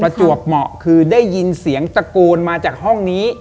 จวบเหมาะคือได้ยินเสียงตะโกนมาจากห้องนี้